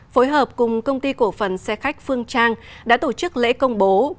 phối hợp cùng công ty cổ phần xe khách phương trang đã tổ chức lễ công bố